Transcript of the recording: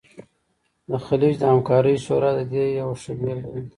د خلیج د همکارۍ شورا د دې یوه ښه بیلګه ده